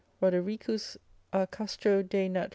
Rodericus a Castro de nat.